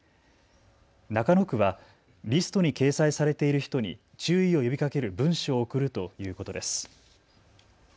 中野区はリストに掲載されている人に注意を呼びかける文書を送るということです。